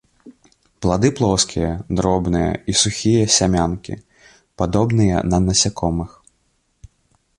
Плады плоскія, дробныя і сухія сямянкі, падобныя на насякомых.